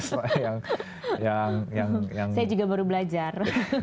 saya juga baru belajar